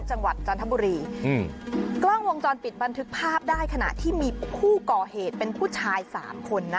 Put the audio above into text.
จังหวัดจันทบุรีอืมกล้องวงจรปิดบันทึกภาพได้ขณะที่มีผู้ก่อเหตุเป็นผู้ชายสามคนนะ